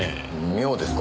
妙ですか？